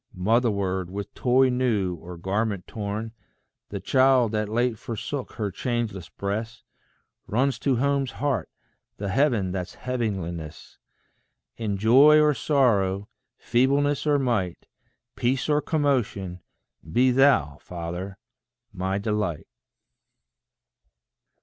Motherward, with toy new, or garment torn, The child that late forsook her changeless breast, Runs to home's heart, the heaven that's heavenliest: In joy or sorrow, feebleness or might, Peace or commotion, be thou, Father, my delight.